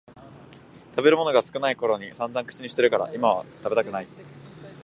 食べるものが少ないころにさんざん口にしてたから今は食べたくない